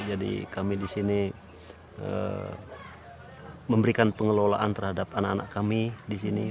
jadi kami disini memberikan pengelolaan terhadap anak anak kami disini